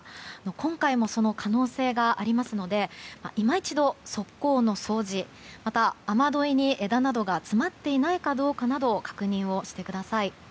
今回もその可能性がありますので今一度、側溝の掃除やまた、雨どいに枝などが詰まっていないかどうかなど確認をしてください。